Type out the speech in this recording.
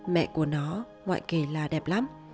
mẹ của nó ngoại kể là đẹp lắm